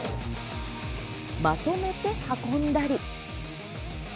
まとめて運んだり。